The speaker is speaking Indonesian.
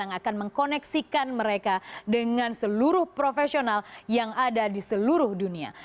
yang akan mengkoneksikan mereka dengan seluruh profesional yang ada di seluruh dunia